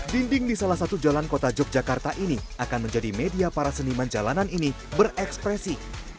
dinding di salah satu jalan kota yogyakarta ini akan menjadi media para seniman jalanan ini berekspresi